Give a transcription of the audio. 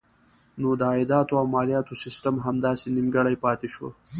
نو د عایداتو او مالیاتو سیسټم همداسې نیمګړی پاتې شو.